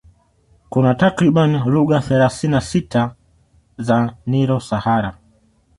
Kuna takriban lugha thelathini na sita za Nilo Sahara